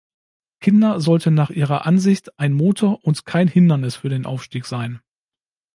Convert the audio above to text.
Kinder sollten nach ihrer Ansicht „ein Motor und kein Hindernis für den Aufstieg“ sein.